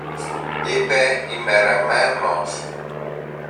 είπε ημερεμένος.